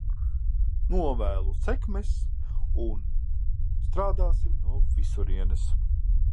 Novēlu sekmes, un strādāsim no visurienes!